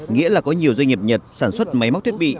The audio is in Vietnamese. nghĩa là có nhiều doanh nghiệp nhật sản xuất máy móc thiết bị